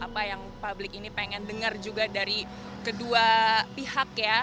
apa yang publik ini pengen dengar juga dari kedua pihak ya